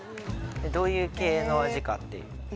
どういう系の味かっていうえ